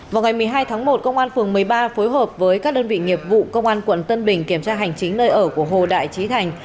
vào ngày một mươi hai tháng một công an phường một mươi ba phối hợp với các đơn vị nghiệp vụ công an quận tân bình kiểm tra hành chính nơi ở của hồ đại trí thành